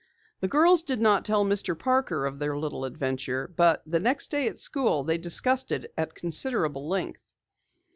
The girls did not tell Mr. Parker of their little adventure, but the next day at school they discussed it at considerable length.